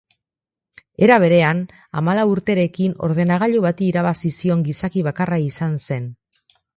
Era berean, hamalau urterekin ordenagailu bati irabazi zion gizaki bakarra izan zen.